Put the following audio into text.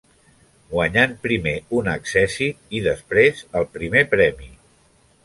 Guanyant primer un accèssit i després el primer premi.